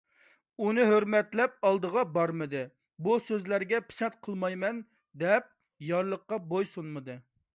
ئۇنى ھۆرمەتلەپ ئالدىغا بارمىدى، «بۇ سۆزلەرگە پىسەنت قىلمايمەن» دەپ يارلىققا بويسۇنمىدى.